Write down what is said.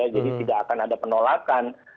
jadi tidak akan ada penolakan